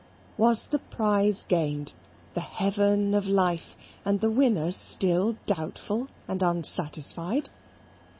Was the prize gained the heaven of life and the winner still doubtful and unsatisfied?